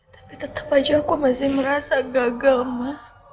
tapi tetap aja aku masih merasa gagal mah